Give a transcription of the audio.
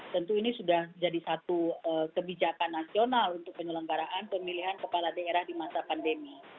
tentu ini sudah jadi satu kebijakan nasional untuk penyelenggaraan pemilihan kepala daerah di masa pandemi